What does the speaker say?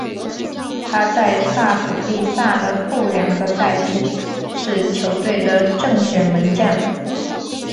他在萨普里萨的后两个赛季是球队的正选门将。